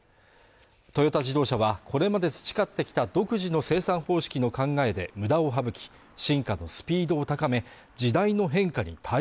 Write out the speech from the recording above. トヨタ自動車はこれまで培ってきた独自の生産方式の考えで無駄を省きそんな顔して！